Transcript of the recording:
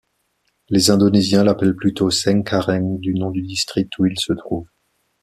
Les Indonésiens l'appellent plutôt Cengkareng, du nom du district où il se trouve.